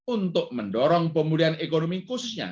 untuk mendorong pemulihan ekonomi khususnya